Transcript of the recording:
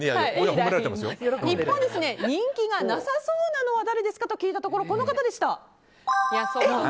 一方、人気がなさそうなのは誰ですかと聞いたところこの方でした。